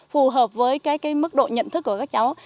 phù hợp với cái mức độ nhận thức của các cháu